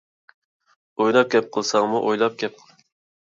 ئويناپ گەپ قىلساڭمۇ ئويلاپ گەپ قىل.